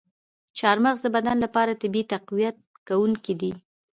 چارمغز د بدن لپاره طبیعي تقویت کوونکی دی.